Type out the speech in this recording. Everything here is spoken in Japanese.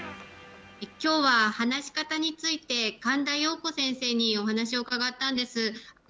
きょうは話し方について神田陽子先生にお話を伺ったんです。